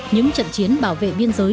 những trận chiến bảo vệ biên giới